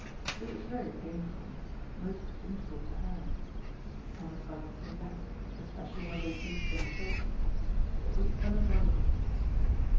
It was very painful, most painful to her (parents like to think that, especially when they beat their children), but it was unavoidable.